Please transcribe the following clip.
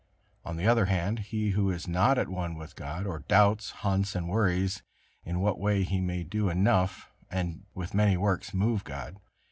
On the other hand, he who is not at one with God, or doubts, hunts and worries in what way he may do enough and with many works move God.